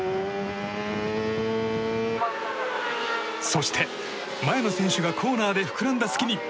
そして、前の選手がコーナーで膨らんだ隙に。